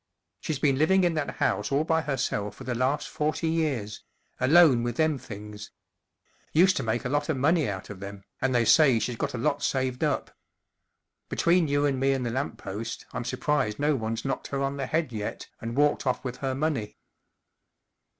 She's been living in that house all by herself for the last forty years, alone with them things. Used to make a lot of money out of them, and they say she's got a lot saved up. Between you and me and the lamp post I'm surprised no one's knocked her on the head yet and walked off with her money."